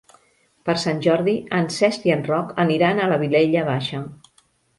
Per Sant Jordi en Cesc i en Roc aniran a la Vilella Baixa.